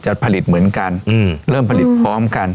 ผลิตเหมือนกันเริ่มผลิตพร้อมกัน